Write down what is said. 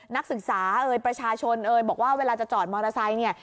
นักศึกษาเอ่ยประชาชนเอ่ยบอกว่าเวลาจะจอดมอเตอร์ไซค์เนี่ย